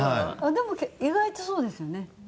「でも意外とそうですよね」